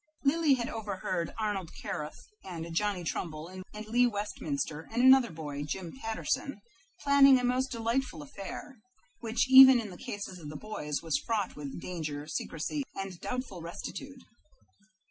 Lily had overheard Arnold Carruth and Johnny Trumbull and Lee Westminster and another boy, Jim Patterson, planning a most delightful affair, which even in the cases of the boys was fraught with danger, secrecy, and doubtful rectitude.